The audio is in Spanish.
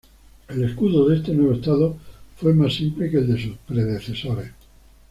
El escudo de este nuevo estado fue más simple que el de sus predecesores.